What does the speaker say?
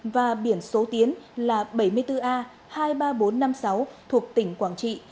và biển số tiến là bảy mươi bốn a hai mươi ba nghìn bốn trăm năm mươi sáu thuộc tỉnh quảng trị